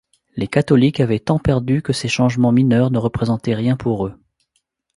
Les catholiques avaient tant perdu que ces changements mineurs ne représentaient rien pour eux.